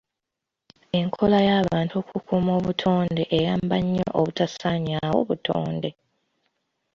Enkola y'abantu okukuuma obutonde eyamba nnyo obutasaanyaawo butonde.